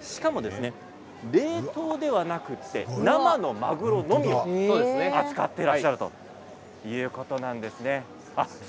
しかも冷凍ではなくて生のマグロのみを扱っていらっしゃるということです。